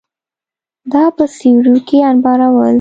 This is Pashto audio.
دا په سوریو کې انبارول